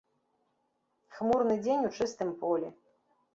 Хмурны дзень у чыстым полі.